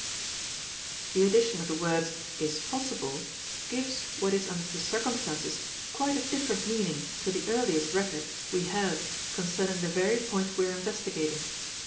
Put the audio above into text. The addition of the words "is possible" gives what is under the circumstances quite a different meaning to the earliest record we have concerning the very point we are investigating.